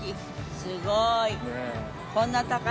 すごーい。